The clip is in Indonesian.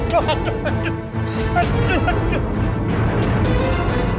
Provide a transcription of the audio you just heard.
aduh aduh aduh